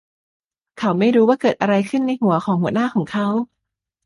เขาไม่รู้ว่าเกิดอะไรขึ้นในหัวของหัวหน้าของเขา